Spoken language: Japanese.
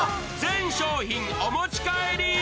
全商品お持ち帰り！